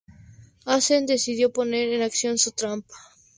Asen decidió poner en acción su trampa.